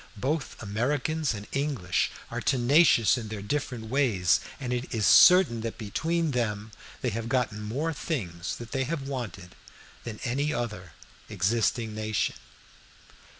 Both Americans and English are tenacious in their different ways, and it is certain that between them they have gotten more things that they have wanted than any other existing nation.